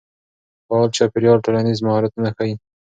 فعال چاپېريال ټولنیز مهارتونه ښه کوي.